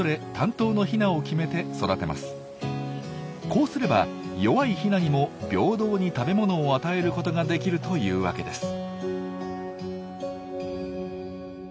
こうすれば弱いヒナにも平等に食べ物を与えることができるというわけです。